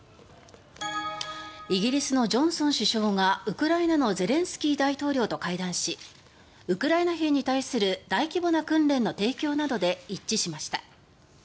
イギリスのジョンソン首相がウクライナのゼレンスキー大統領と会談しウクライナ兵に対する大規模な訓練の提供などで一致しました。